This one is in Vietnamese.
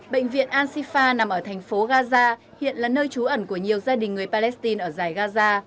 bệnh viện ansifa nằm ở thành phố gaza hiện là nơi trú ẩn của nhiều gia đình người palestine ở giải gaza